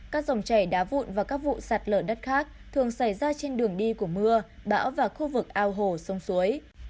các dòng chảy đá vụn và các vụ sạt lở đất khác thường xảy ra trên đường đi của mưa bão và khu vực ao hồ sông suối